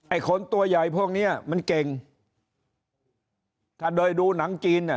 คนตัวใหญ่พวกเนี้ยมันเก่งถ้าโดยดูหนังจีนเนี่ย